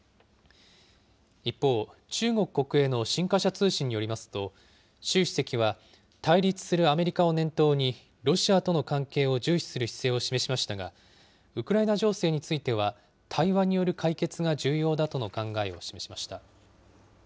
一方、中国国営の新華社通信によりますと、習主席は対立するアメリカを念頭にロシアとの関係を重視する姿勢を示しましたが、ウクライナ情勢については、対話による解決が重要だとの考えを示しました。